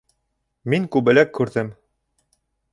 Мин күбәләк күрҙем!